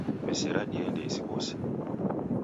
Wesera diende diwose